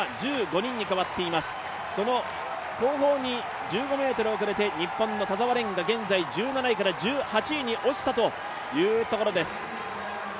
その後方に１５ｍ遅れて日本の田澤廉が１７位から１８位に落ちたというところです。